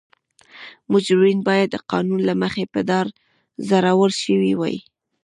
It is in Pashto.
مجرمین باید د قانون له مخې په دار ځړول شوي وای.